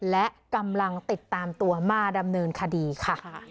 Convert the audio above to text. และกำลังติดตามตัวมาดำเนินคดีค่ะ